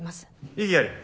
異議あり。